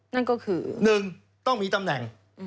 นั่นก็คือ๑ต้องมีตำแหน่ง